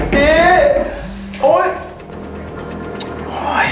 พี่